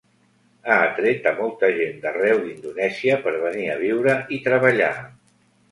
Ha atret a molta gent d'arreu d'Indonèsia per venir a viure i treballar.